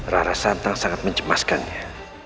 rara santang sangat mencemaskannya